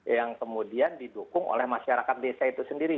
yang kemudian didukung oleh masyarakat desa itu sendiri